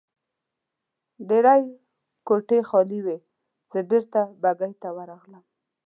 ډېرې کوټې خالي وې، زه بېرته بګۍ ته ورغلم.